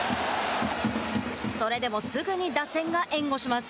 それでもすぐに打線が援護します。